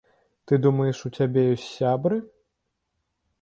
Ты думаеш, у цябе ёсць сябры?